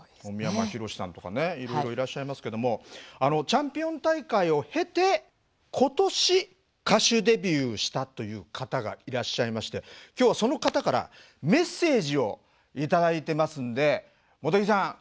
三山ひろしさんとかねいろいろいらっしゃいますけどもチャンピオン大会を経て今年歌手デビューしたという方がいらっしゃいまして今日はその方からメッセージを頂いてますんで茂木さん